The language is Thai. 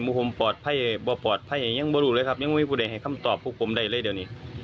มุมภอมปลอดภัยบ่ปลอดภัยอย่างบรูเลยครับยังไม่มีผู้เด่งให้คำตอบพวกผมได้เลยเดี๋ยวนี้